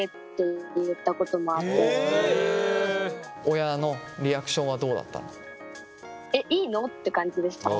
親のリアクションはどうだったの？って感じでした。